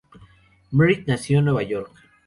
Merritt nació en Nueva York.